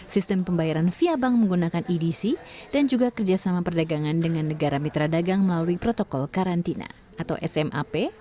sistem pembayaran via bank menggunakan edc dan juga kerjasama perdagangan dengan negara mitra dagang melalui protokol karantina atau smap